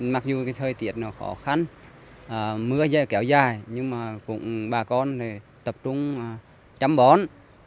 mặc dù thời tiết khó khăn mưa kéo dài nhưng bà con tập trung chăm bón